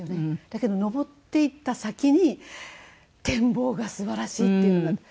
だけど登っていった先に展望がすばらしいっていうのが。